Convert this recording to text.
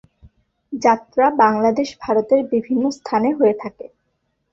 যাত্রা বাংলাদেশ, ভারতের বিভিন্ন স্থানে হয়ে থাকে।